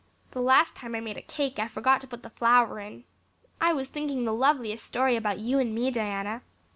The last time I made a cake I forgot to put the flour in. I was thinking the loveliest story about you and me, Diana.